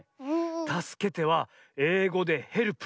「たすけて」はえいごで「ヘルプ」。